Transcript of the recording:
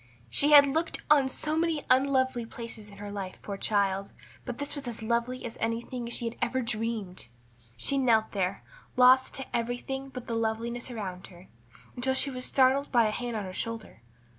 She had looked on so many unlovely places in her life, poor child; but this was as lovely as anything she had ever dreamed. She knelt there, lost to everything but the loveliness around her, until she was startled by a hand on her shoulder.